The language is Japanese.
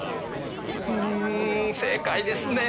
うん正解ですね。